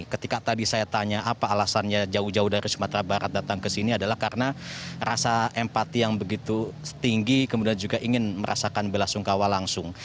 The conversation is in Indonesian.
ketika tadi saya tanya apa alasannya jauh jauh dari sumatera barat datang ke sini adalah karena rasa empati yang begitu tinggi kemudian juga ingin merasakan bela sungkawa langsung